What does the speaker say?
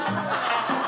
ハハハハ！